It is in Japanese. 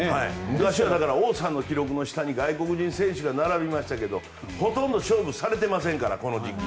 昔は王さんの記録の下に外国人選手が並びましたけどほとんど勝負されていませんからこの時期。